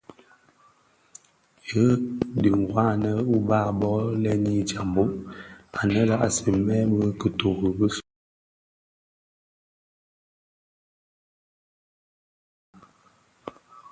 Hei dhi wanne ubaa bō: lènni, jambhog anèn a sigmèn bi kituri bisulè ǎyi tokkèn tokkèn dhidenèn dya.